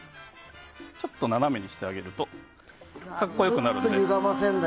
ちょっと斜めにしてあげると格好良くなります。